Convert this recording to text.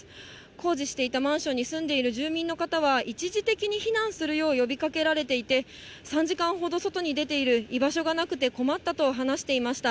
工事していたマンションに住んでいる住民の方は、一時的に避難する呼びかけられていて、３時間ほど外に出ている、居場所がなくて困ったと話していました。